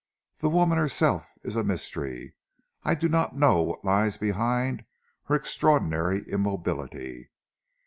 The woman herself is a mystery. I do not know what lies behind her extraordinary immobility.